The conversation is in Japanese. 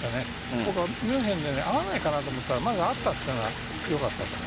僕はミュンヘンで会わないかなと思ったら会ったというのがよかったと思う。